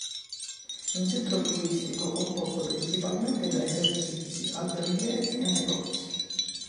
È un centro turistico, composto principalmente da esercizi alberghieri e negozi.